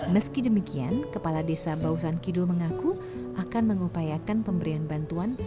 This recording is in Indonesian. meski demikian kepala desa bausan kidul mengaku akan mengupayakan pemberian bantuan